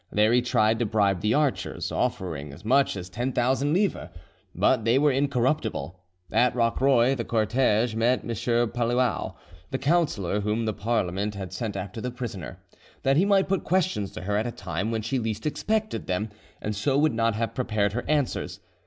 There he tried to bribe the archers, offering much as 10,000 livres, but they were incorruptible. At Rocroy the cortege met M. Palluau, the councillor, whom the Parliament had sent after the prisoner, that he might put questions to her at a time when she least expected them, and so would not have prepared her answers.